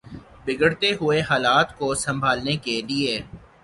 بگڑتے ہوئے حالات کو سنبھالنے کے لیے